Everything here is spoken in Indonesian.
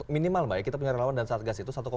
minimal kita punya relawan dan satgas itu